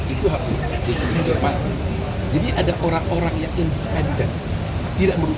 itulah sahabat kegiatan yang tidak terluka pada cipta dan sibing